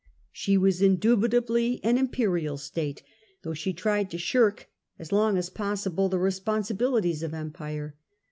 She was indubitably an imperial state, though she tried to shirk as long as possible the responsibilities of empire.